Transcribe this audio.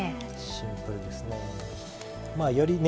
シンプルですね。